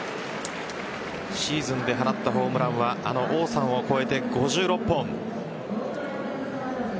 シーズンで放ったホームランはあの王さんを超えて５６本。